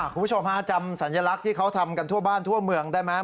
คุณผู้ชมฮะจำสัญลักษณ์ที่เขาทำกันทั่วบ้านทั่วเมืองได้ไหม